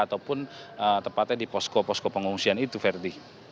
ataupun tepatnya di pos pos pengungsian itu ferdi